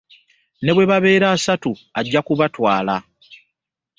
Ne bwe babeera asatu nja kubatwala.